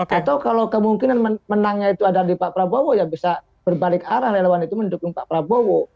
atau kalau kemungkinan menangnya itu ada di pak prabowo ya bisa berbalik arah relawan itu mendukung pak prabowo